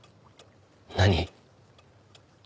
何？